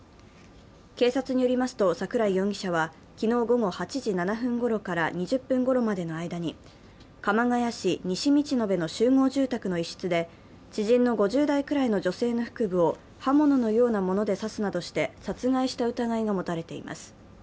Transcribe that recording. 警察によりますと、桜井容疑者は昨日午後８時７分ごろから２０分ごろまでの間に、鎌ケ谷市西道野辺の集合住宅の一室で知人の５０代くらいの女性の腹部を刃物のようなもので刺すなどして殺害した疑いが持たれています。